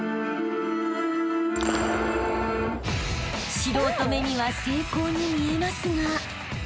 ［素人目には成功に見えますが］